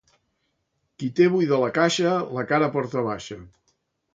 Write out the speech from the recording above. Qui té buida la caixa la cara porta baixa.